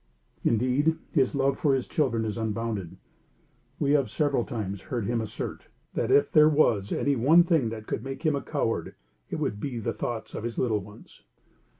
Indeed, his love for his children is unbounded. We have several times heard him assert, that if there was any one thing that could make him a coward, it would be the thoughts of his little ones.